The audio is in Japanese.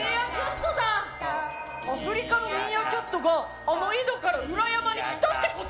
アフリカのミーアキャットがあの井戸から裏山に来たってこと？